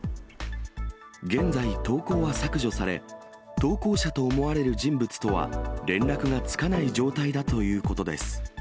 現在、投稿は削除され、投稿者と思われる人物とは連絡がつかない状態だということです。